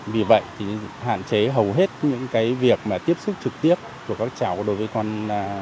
vì vậy thì hạn chế hầu hết những cái việc mà tiếp xúc trực tiếp của các cháu đối với con